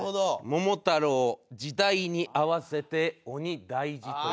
「桃太郎時代に合わせて鬼、大事」という。